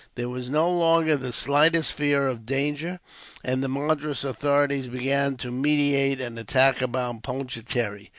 There was no longer the slightest fear of danger, and the Madras authorities began to meditate an attack upon Pondicherry.